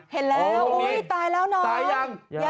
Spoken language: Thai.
เห็นแล้วฮือที่ตายแล้วนะ